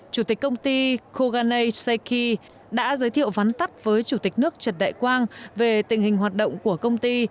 chủ tịch công ty koganei seiki đã giới thiệu vắn tắt với chủ tịch nước trần đại quang về tình hình hoạt động của công ty